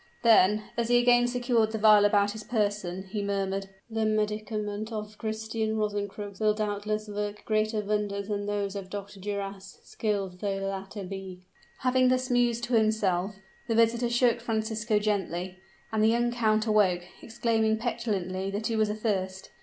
Then, as he again secured the vial about his person, he murmured, "The medicament of Christian Rosencrux will doubtless work greater wonders than those of Dr. Duras, skilled though the latter be!" Having thus mused to himself, the visitor shook Francisco gently; and the young count awoke, exclaiming petulantly that he was athirst.